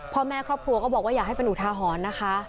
พ่อแม่ครอบครัวก็บอกว่าอยากให้เป็นอุทาหรณ์นะคะ